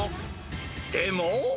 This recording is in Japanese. でも。